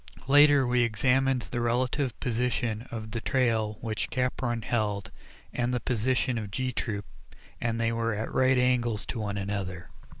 Later we examined the relative position of the trail which Capron held, and the position of G Troop, and they were at right angles to one another.